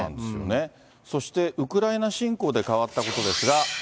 そしてウクライナ侵攻で変わったことですが。